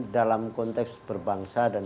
dalam konteks berbangsa dan